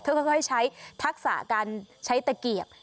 ค่อยใช้ทักษะการใช้ตะเกียบ